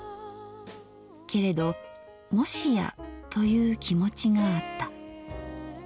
けれどという気持ちがあった。